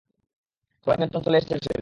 সবাই নিয়ন্ত্রণে চলে এসেছে আসেন।